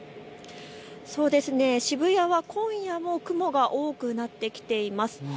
渋谷は今夜も雲が多くなってきています。